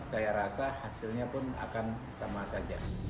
saya rasa hasilnya pun akan sama saja